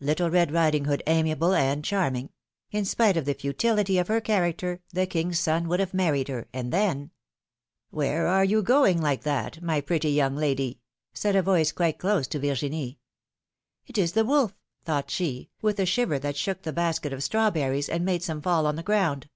Little Red Riding Hood amiable and charming; in spite of the futility of her character the king's son would have married her, and then — Where are you going like that, my pretty young lady?" said a voice, quite close to Virginie. ^^It is the wolf!" thought she, with a shiver that shook the basket of strawberries, and made some fall on the ground.